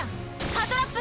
ハトラップ！